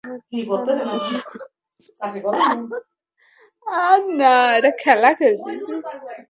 আমার দিকে এভাবে তাকাবে না!